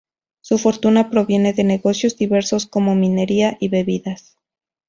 Su fortuna proviene de negocios diversos como minería y bebidas.